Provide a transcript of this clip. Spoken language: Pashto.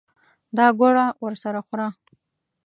دا ګوړه ورسره خوره.